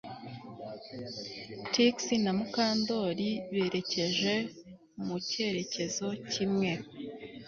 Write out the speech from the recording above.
Trix na Mukandoli berekeje mu cyerekezo kimwe